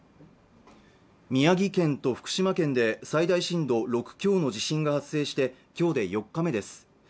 宮城県と福島県で最大震度６強の地震が発生して今日で４日目です